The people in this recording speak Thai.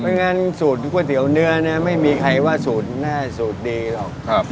งั้นสูตรก๋วยเตี๋ยวเนื้อเนี่ยไม่มีใครว่าสูตรแน่สูตรดีหรอก